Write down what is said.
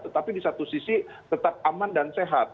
tetapi di satu sisi tetap aman dan sehat